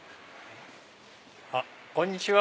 あっこんにちは。